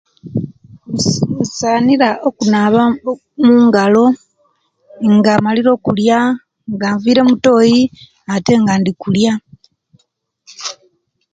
Nsaanira okunaba okk mungalo nga mmalire okulia, nga nviire omutoyi ate nga ndikulia.